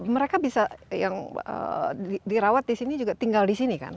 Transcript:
mereka bisa yang dirawat di sini juga tinggal di sini kan